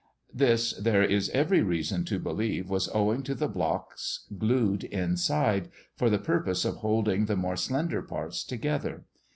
This there is every reason to believe was owing to the blocks glued inside, for the purpose of holding the more slender parts together.